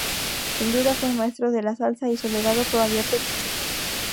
Sin duda, fue un maestro de la salsa y su legado todavía persiste.